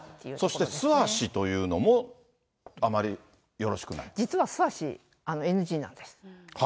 そして素足というのも、実は素足、ＮＧなんです。